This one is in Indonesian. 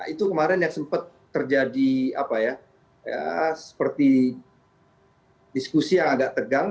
itu kemarin yang sempat terjadi seperti diskusi yang agak tegang